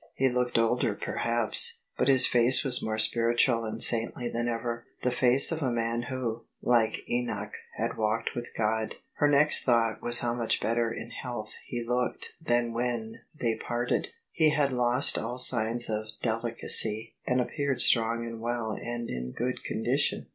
He looked older perhaps: but his face was more spiritual and saintly than ever — the face of a man who, like Enoch, had walked with God. Her next thought was how much better in health he looked than when they parted : he had lost all signs of deli cacy, and appeared strong and well and in good condition.